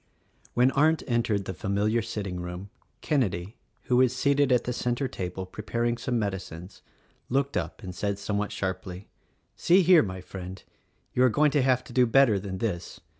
When Arndt entered the familiar sitting room, Kenedy, who was seated at the center table preparing some med icines, looked up and said somewhat sharply, "See here, my friend! you are going to have to do better than this.